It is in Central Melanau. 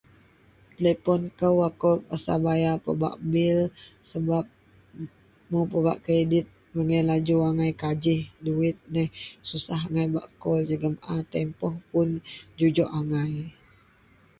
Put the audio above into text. Telepon lou ako terpaksa bayar bak bil sebab mun bak kredit memang laju angai kajih duit neh susah angai bak call jegum a tempoh puon jujok angai.